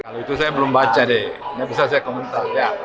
kalau itu saya belum baca deh nggak bisa saya komentar